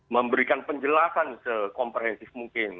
memberikan penjelasan sekomprehensif mungkin